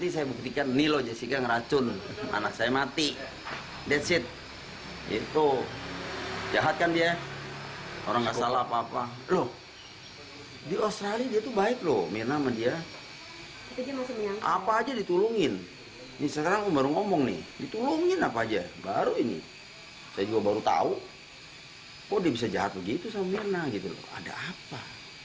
saya juga baru tahu kok dia bisa jatuh gitu sama mirna gitu loh ada apa